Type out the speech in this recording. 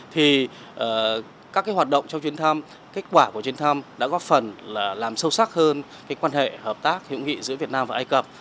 thì các cái hoạt động trong chuyến thăm kết quả của chuyến thăm đã góp phần là làm sâu sắc hơn quan hệ hợp tác hiệu nghị giữa việt nam và ai cập